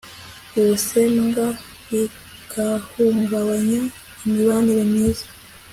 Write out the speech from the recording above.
ubusembwa bigahungabanya imibanire myiza